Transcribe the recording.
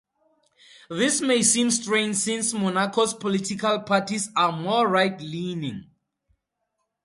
This may seem strange since Monaco's political parties are more right-leaning.